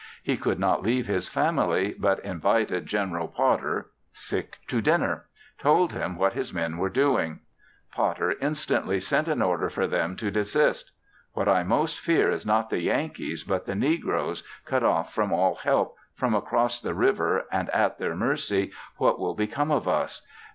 He could not leave his family, but invited General Potter to dinner; told him what his men were doing. Potter instantly sent an order for them to desist. What I most fear is not the Yankees, but the negroes, cut off from all help from across the river, and at their mercy, what will become of us?